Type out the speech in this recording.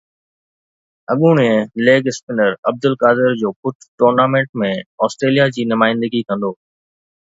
اڳوڻي leg spinner Abdul Qadir جو پٽ ٽورنامينٽ ۾ آسٽريليا جي نمائندگي ڪندو